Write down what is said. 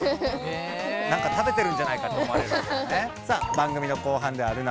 なんか食べてるんじゃないかと思われるわけだね。